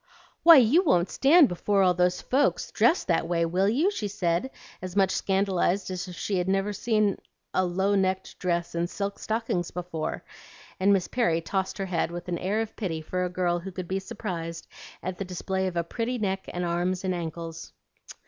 'Why, you won't stand before all those folks dressed that way, will you?' she said, as much scandalized as if she'd never seen a low necked dress and silk stockings before;" and Miss Perry tossed her head with an air of pity for a girl who could be surprised at the display of a pretty neck and arms and ankles.